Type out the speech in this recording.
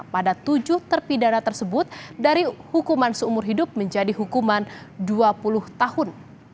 pada tujuh terpidana tersebut dari hukuman seumur hidup menjadi hukuman dua puluh tahun